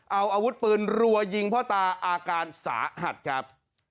เอาอาวุธปืนรัวยิงพ่อตาอาการสาหัสครับ